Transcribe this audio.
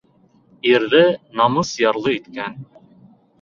Ирҙе намыҫ ярлы иткән.